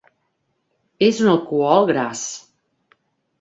És un alcohol gras.